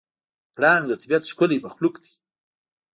پړانګ د طبیعت ښکلی مخلوق دی.